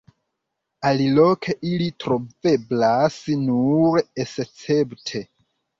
Aliloke ili troveblas nur escepte.